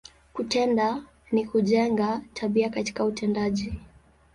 Kutenda, ni kujenga, tabia katika utendaji.